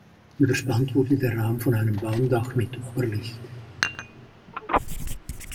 Überspannt wurde der Raum von einem Walmdach mit Oberlicht.